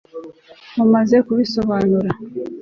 mumaze kubisobanura